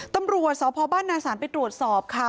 ตำรวจสพบ้านนาศาลไปตรวจสอบค่ะ